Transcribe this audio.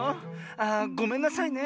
ああごめんなさいね。